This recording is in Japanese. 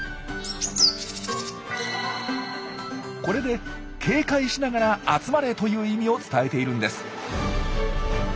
これで「警戒しながら集まれ」という意味を伝えているんです。